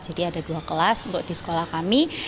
jadi ada dua kelas untuk di sekolah kami